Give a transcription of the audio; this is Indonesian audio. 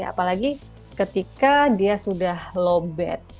apalagi ketika dia sudah low bed